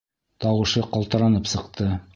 Тауышы ҡалтыранып сыҡты.